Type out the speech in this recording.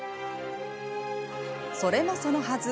それもそのはず。